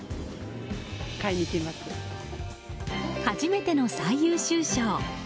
初めての最優秀賞。